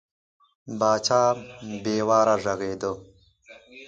پاچا بې واره غږېده.